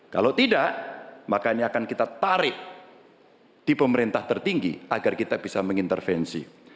kalau tidak maka ini akan kita tarik di pemerintah tertinggi agar kita bisa mengintervensi